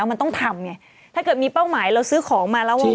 วันหนึ่งเราจะต้องเจอ